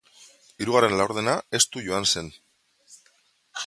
Hirugarren laurdena estu joan zen.